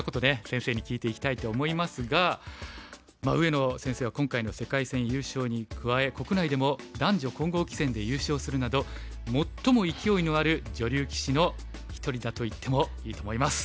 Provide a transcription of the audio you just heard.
先生に聞いていきたいと思いますが上野先生は今回の世界戦優勝に加え国内でも男女混合棋戦で優勝するなど最も勢いのある女流棋士の一人だと言ってもいいと思います。